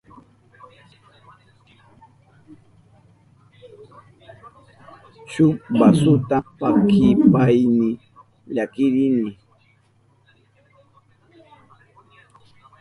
Shuk basuta pakishpayni llakirini.